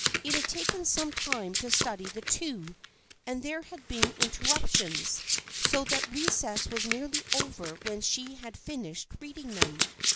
It had taken some time to study the two, and there had been interruptions, so that recess was nearly over when she had fin ished reading them.